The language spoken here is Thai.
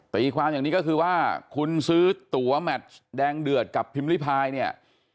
ตีความอย่างนี้ก็คือว่าคุณซื้อตัวแมชแดงเดือดกับพิมพ์ริพายเนี่ย